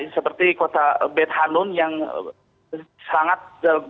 seperti kota beth hanun yang sangat berantakan